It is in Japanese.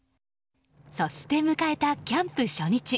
そして、迎えたキャンプ初日。